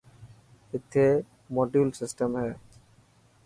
اٿي موڊيول سيٽم هي.